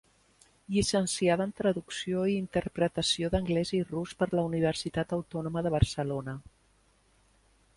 Llicenciada en Traducció i Interpretació d'anglès i rus per la Universitat Autònoma de Barcelona.